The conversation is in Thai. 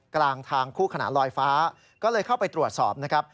กลางทางคู่ขนานลอยฟ้าก็เลยเข้าไปตรวจสอบนะครับ